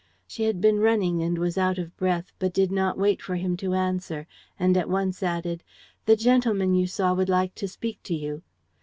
She had been running and was out of breath, but did not wait for him to answer and at once added, 'The gentleman you saw would like to speak to you.'